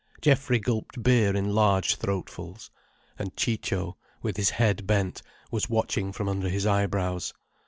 Geoffrey gulped beer in large throatfuls, and Ciccio, with his head bent, was watching from under his eyebrows.